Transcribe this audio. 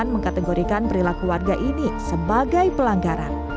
mengkategorikan perilaku warga ini sebagai pelanggaran